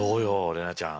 怜奈ちゃん。